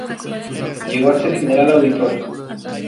Llegó a ser general auditor.